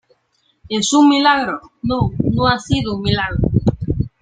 es un milagro. no, no ha sido un milagro